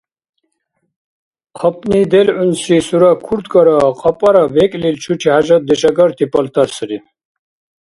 ХъапӀни делгӀунси сура курткара кьапӀара бекӀлил чучи хӀяжатдеш агарти палтар сарри.